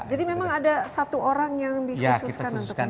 jadi memang ada satu orang yang dikhususkan